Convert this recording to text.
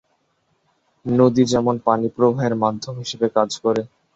নদী যেমন পানি প্রবাহের মাধ্যম হিসেবে কাজ করে।